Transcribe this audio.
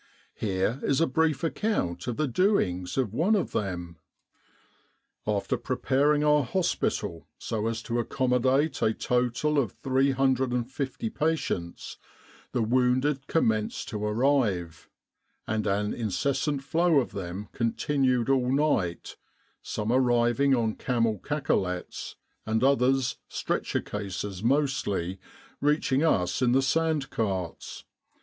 Here is a brief account of the doings of one of them :" After preparing our hospital so as to accom modate a total of 350 patients, the wounded com menced to arrive; and an incessant flow of them continued all night, some arriving on camel cacolets, and others stretcher cases mostly reaching us in the sand carts.